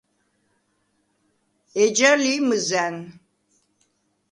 ეჯა ლი მჷზა̈ნ.